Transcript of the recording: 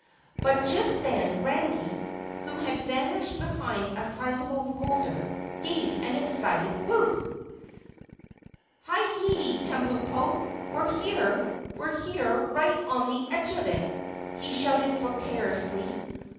But just then, Randy, who had vanished behind a sizable boulder, gave an excited whoop. "Hi, yi, Kabumpo! We're here! We're here, right on the edge of it!" he shouted vociferously.